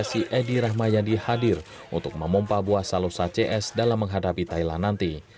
psi edi rahmayadi hadir untuk memompah buah salosa cs dalam menghadapi thailand nanti